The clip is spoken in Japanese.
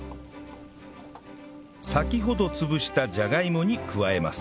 先ほど潰したじゃがいもに加えます